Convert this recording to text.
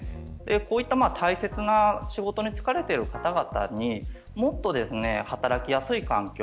こういった大切な仕事に就かれている方々にもっと働きやすい環境